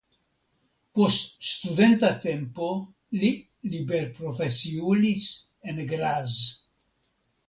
Post studenta tempo li liberprofesiulis en Graz.